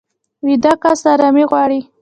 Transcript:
ویده کس ارامي غواړي